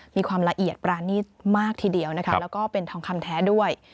มีความละเอียดปรานีตมากทีเดียวนะคะแล้วก็เป็นทองคำแท้ด้วย